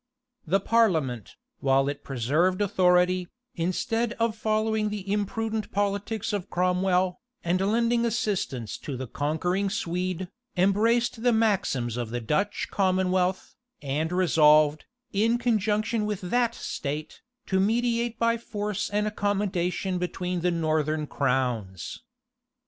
The parliament, while it preserved authority, instead of following the imprudent politics of Cromwell, and lending assistance to the conquering Swede, embraced the maxims of the Dutch commonwealth, and resolved, in conjunction with that state, to mediate by force an accommodation between the northern crowns.